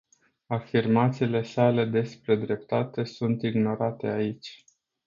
Afirmațiile sale despre dreptate sunt ignorate aici.